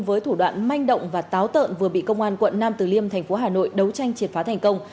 với thủ đoạn manh động và táo tợn vừa bị công an quận nam từ liêm thành phố hà nội đấu tranh triệt phá thành công